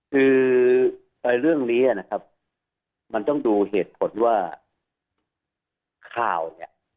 คือเรื่องนี้นะครับมันต้องดูเหตุผลว่าข่าวเนี่ย